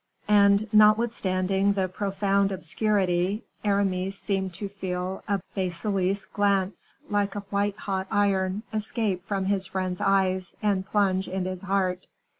And notwithstanding the profound obscurity, Aramis seemed to feel a basilisk glance, like a white hot iron, escape from his friend's eyes, and plunge into his heart.